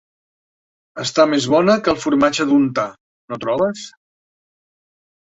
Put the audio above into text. Està més bona que el formatge d'untar, no trobes?